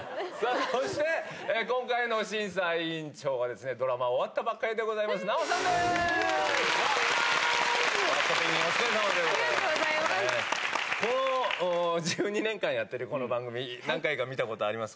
さあ、そして、今回の審査委員長はドラマ終わったばかりでございお願いします。